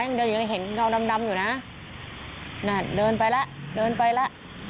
ยังเดินอยู่ยังเห็นเงาดำดำอยู่นะนั่นเดินไปแล้วเดินไปแล้ว